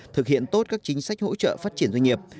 thực hiện tốt các chính sách hỗ trợ phát triển doanh nghiệp